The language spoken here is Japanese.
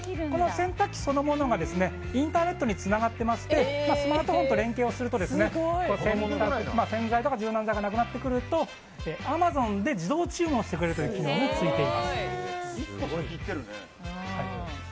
洗濯機そのものがインターネットにつながっていてスマートフォンと連携すると洗剤や柔軟剤がなくなるとアマゾンで自動注文してくれる機能がついています。